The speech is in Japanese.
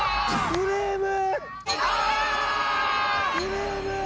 フレーム！